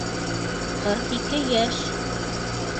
Ҡырҡ ике йәш!..